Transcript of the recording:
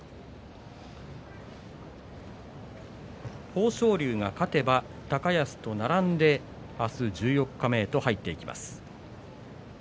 豊昇龍が勝てば高安と並んで明日十四日目へと入っていきます。